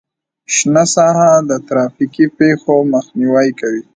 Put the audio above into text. شنه ساحه د ترافیکي پیښو مخنیوی کوي